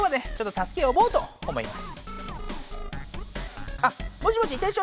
たすけをよぼうと思います。